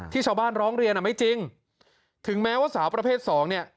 ชาวบ้านร้องเรียนไม่จริงถึงแม้ว่าสาวประเภทสองเนี่ย